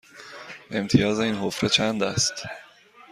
امتیاز این حفره چند است؟